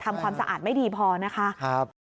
ความสะอาดไม่ดีพอนะคะ